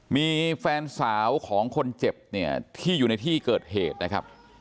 มีแฟนสาวของคนเจ็บเนี่ยที่อยู่ในที่เกิดเหตุนะครับ